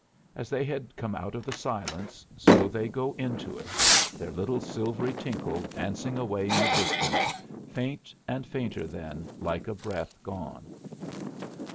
As they had come out of the silence, so did they go into it, their little silvery tinkle dancing away in the distance, faint and fainter, then, like a breath, gone.